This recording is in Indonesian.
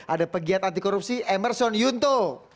ada pegiat antikorupsi emerson yunto